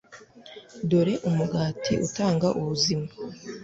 dore umugati utanga ubuzima